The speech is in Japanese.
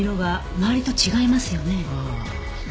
ああ。